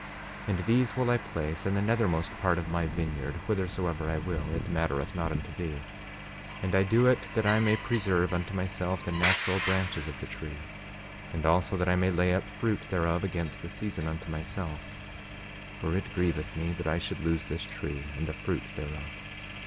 5:13 And these will I place in the nethermost part of my vineyard, whithersoever I will, it mattereth not unto thee; and I do it that I may preserve unto myself the natural branches of the tree; and also, that I may lay up fruit thereof against the season, unto myself; for it grieveth me that I should lose this tree and the fruit thereof.